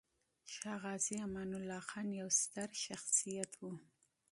شاه غازي امان الله خان يو ستر شخصيت و.